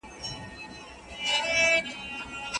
په ټولنه کي د خلګو ترمنځ باید تل بخښنه وسي.